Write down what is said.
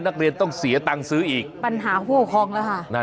นักเรียนต้องเสียตังค์ซื้ออีกปัญหาผู้ปกครองแล้วค่ะ